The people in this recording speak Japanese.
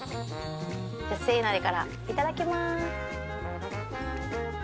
じゃ、出世いなりから、いただきます。